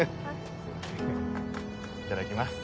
いただきます。